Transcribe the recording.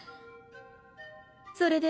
それで？